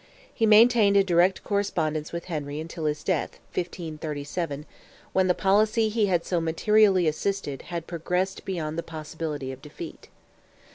He maintained a direct correspondence with Henry until his death, 1537, when the policy he had so materially assisted had progressed beyond the possibility of defeat.